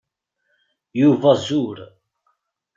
Yuba zur.